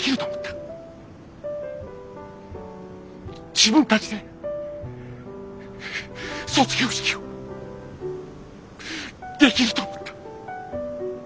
自分たちで卒業式をできると思った。